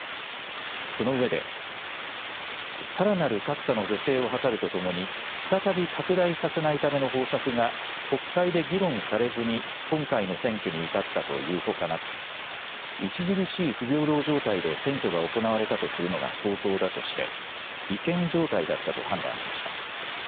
その上で、さらなる格差の是正を図るとともに、再び拡大させないための方策が国会で議論されずに今回の選挙に至ったというほかなく、著しい不平等状態で選挙が行われたとするのが相当だとして、違憲状態だったと判断しました。